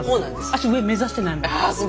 私上目指してないもん。